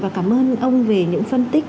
và cảm ơn ông về những phân tích